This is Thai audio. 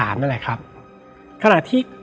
และวันนี้แขกรับเชิญที่จะมาเชิญที่เรา